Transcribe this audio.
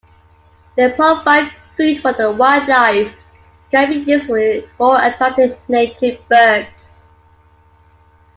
They provide food for the wildlife, and can be used for attracting native birds.